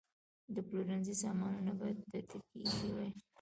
د پلورنځي سامانونه باید په ترتیب کې ایښي وي.